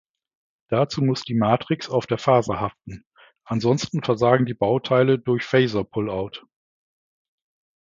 Dazu muss die Matrix auf der Faser haften, ansonsten versagen die Bauteile durch "Faser-pull-out".